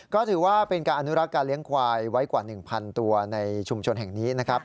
ก็ถือว่าเป็นการอนุรักษ์การเลี้ยงควายไว้กว่า๑๐๐ตัวในชุมชนแห่งนี้นะครับ